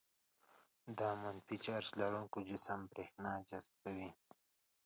د منفي چارج لرونکي جسم برېښنا جذبه کوي.